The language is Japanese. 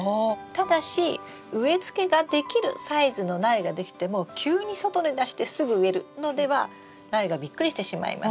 ただし植えつけができるサイズの苗ができても急に外に出してすぐ植えるのでは苗がびっくりしてしまいます。